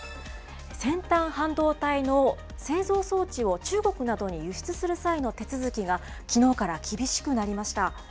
先端半導体の製造装置を中国などに輸出する際の手続きがきのうから厳しくなりました。